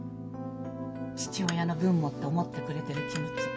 父親の分もって思ってくれてる気持ち